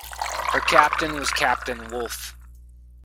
Her captain was Captain Wulff.